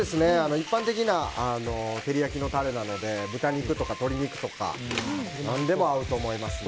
一般的な照り焼きのタレなので豚肉とか鶏肉とか何でも合うと思いますね。